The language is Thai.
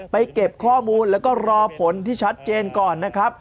เก็บข้อมูลแล้วก็รอผลที่ชัดเจนก่อนนะครับ